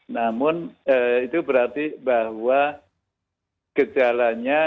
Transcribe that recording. namun itu berarti bahwa gejalanya